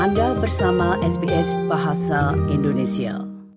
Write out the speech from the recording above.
anda bersama sbs bahasa indonesia